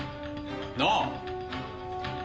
なあ？